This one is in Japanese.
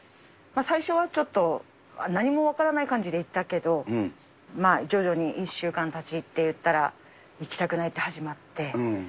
最初はちょっと、何も分からない感じで行ったけど、まあ徐々に、１週間たちっていったら、行きたくないって始まって。